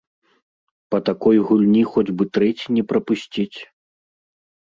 Па такой гульні хоць бы трэці не прапусціць.